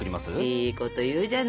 いいこと言うじゃない。